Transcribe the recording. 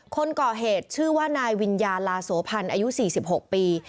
คนก่อเหตุชื่อว่านายวิญญาลาโสพันธ์อายุ๔๖ปี